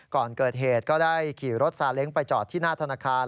ก่อนเกิดเหตุก็ได้ขี่รถซาเล้งไปจอดที่หน้าธนาคาร